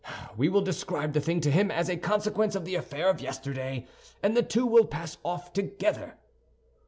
We will describe the thing to him as a consequence of the affair of yesterday, and the two will pass off together."